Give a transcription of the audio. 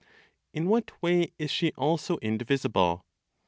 In what way is she also indivisible?